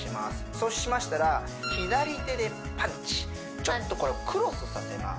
そうしましたら左手でパンチちょっとこれをクロスさせます